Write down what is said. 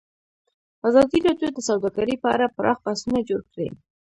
ازادي راډیو د سوداګري په اړه پراخ بحثونه جوړ کړي.